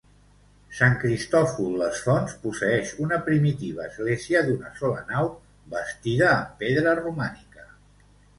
Sant Cristòfol les Fonts posseeix una primitiva església d'una sola nau bastida amb pedra romànica.